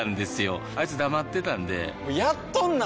あいつ黙ってたんでやっとんなー！